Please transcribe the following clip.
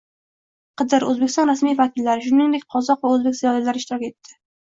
Qidir, Oʻzbekiston rasmiy vakillari, shuningdek, qozoq va oʻzbek ziyolilari ishtirok etdi.